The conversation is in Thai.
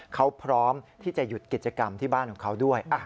เขาพร้อมที่จะหยุดกิจกรรมที่บ้านของเขาด้วย